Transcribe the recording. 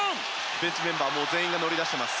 ベンチメンバー全員がもう乗り出しています。